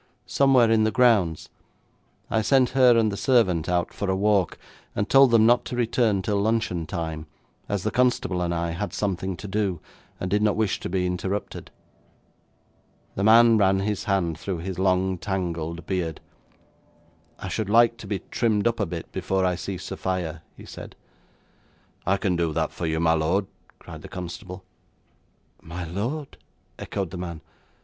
'Somewhere in the grounds. I sent her and the servant out for a walk, and told them not to return till luncheon time, as the constable and I had something to do, and did not wish to be interrupted.' The man ran his hand through his long tangled beard. 'I should like to be trimmed up a bit before I see Sophia,' he said. 'I can do that for you, my lord,' cried the constable. 'My lord?' echoed the man.